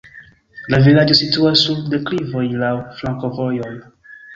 La vilaĝo situas sur deklivoj, laŭ flankovojoj.